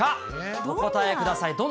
お答えください。